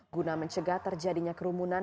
guna mencegah terjadinya kerumunan